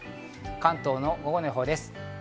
関東の午後の予報です。